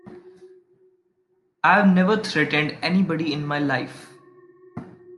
I've never threatened anybody in my life.